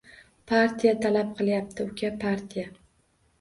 — Partiya talab qilyapti, uka, partiya!